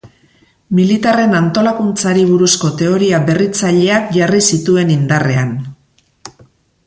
Militarren antolakuntzari buruzko teoria berritzaileak jarri zituen indarrean.